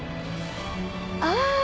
ああ！